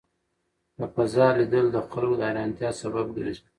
له فضا لیدل د خلکو د حېرانتیا سبب ګرځي.